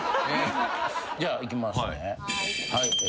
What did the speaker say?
じゃあいきますね。